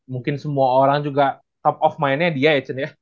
mungkin semua orang juga top of mindnya dia ya cen ya